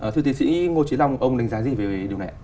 chính ý ngô trí long ông đánh giá gì về điều này